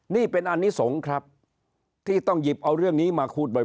นี่เป็นอนิสงฆ์ครับที่ต้องหยิบเอาเรื่องนี้มาพูดบ่อย